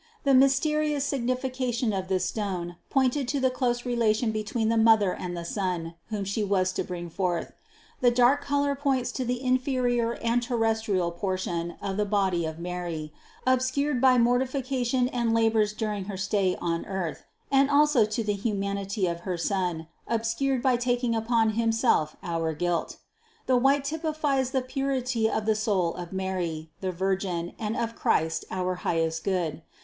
The mysterious signification of this stone pointed to the close relation between the Mother and the Son, whom She was to bring forth. The dark color points to the inferior and terrestrial portion of the body of Mary, obscured by mortification and la bors during her stay on earth, and also to the humanity of her Son, obscured by taking upon Himself our guilt. The white typifies the purity of the soul of Mary, the Virgin, and of Christ, our highest good.